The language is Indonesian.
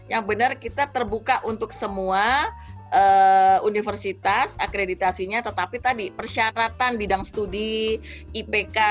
yang benar kita terbuka untuk semua universitas akreditasinya tetapi tadi persyaratan bidang studi ipk